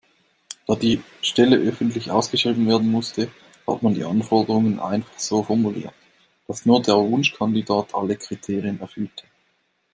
Da die Stelle öffentlich ausgeschrieben werden musste, hat man die Anforderungen einfach so formuliert, dass nur der Wunschkandidat alle Kriterien erfüllte.